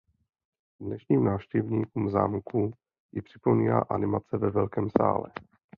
Dnešním návštěvníkům zámku ji připomíná animace ve Velkém sále.